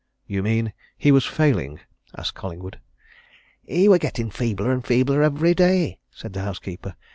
"You mean he was failing?" asked Collingwood. "He were gettin' feebler and feebler every day," said the housekeeper.